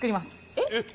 えっ？